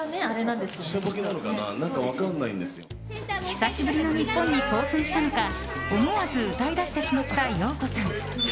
久しぶりの日本に興奮したのか思わず歌いだしてしまったＹＯＫＯさん。